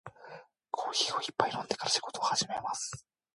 コーヒーを一杯飲んでから仕事を始めます。